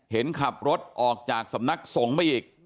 เห็นขับรถออกจากสำนักสงฆ์ไปอีก